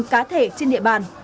cá thể trên địa bàn